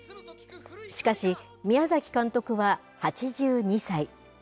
しかし、宮崎監督は８２歳。